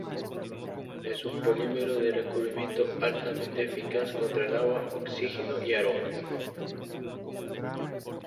Es un polímero de recubrimiento altamente eficaz contra el agua, oxígeno y aromas.